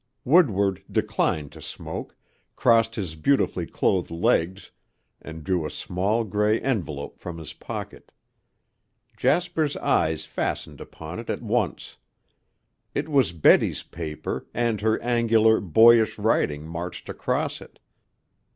Woodward declined to smoke, crossed his beautifully clothed legs and drew a small gray envelope from his pocket. Jasper's eyes fastened upon it at once. It was Betty's paper and her angular, boyish writing marched across it.